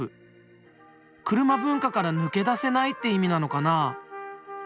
車文化から抜け出せないって意味なのかな？